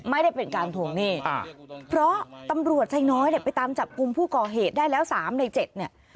ไม่ได้เป็นการทวงหนี้เพราะตำรวจไซน้อยเนี่ยไปตามจับกลุ่มผู้ก่อเหตุได้แล้วสามในเจ็ดเนี่ย